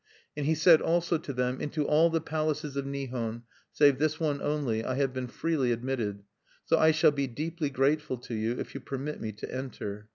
And he said also to them: "Into all the palaces of Nihon, save this one only, I have been freely admitted; so I shall be deeply grateful to you if you permit me to enter."